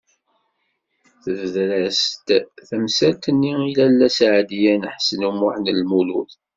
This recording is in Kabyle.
Tebder-as-d tamsalt-nni i Lalla Seɛdiya n Ḥsen u Muḥ Lmlud.